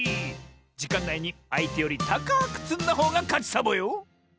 じかんないにあいてよりたかくつんだほうがかちサボよ！